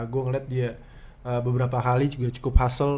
gua ngeliat dia beberapa kali juga cukup hustle